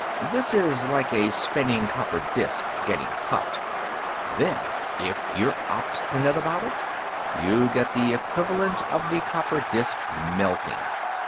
This is like a spinning copper disk getting hot. Then, if you're obstinate about it, you get the equivalent of the copper disk melting.